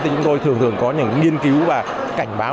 thì chúng tôi thường thường có những nghiên cứu và cảnh báo